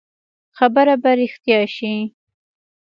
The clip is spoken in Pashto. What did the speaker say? خبره به رښتيا شي.